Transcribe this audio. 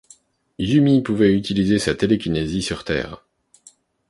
Yumi pouvait utiliser sa télékinésie sur Terre.